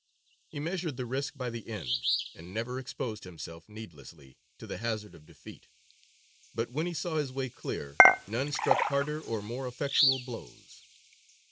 He measured the risk by the end, and never exposed himself needlessly to the hazard of defeat; but when he saw his way clear, none struck harder or more effectual blows.